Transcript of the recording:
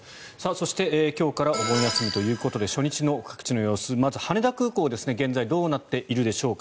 そして、今日からお盆休みということで初日の各地の様子まず羽田空港現在どうなっているでしょうか。